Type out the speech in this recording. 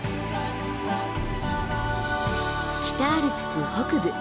北アルプス北部